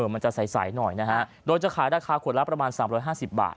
มันจะใสหน่อยนะฮะโดยจะขายราคาขวดละประมาณ๓๕๐บาท